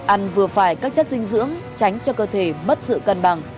ăn vừa phải các chất dinh dưỡng tránh cho cơ thể mất sự cân bằng